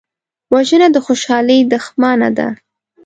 وژنه د خوشحالۍ دښمنه ده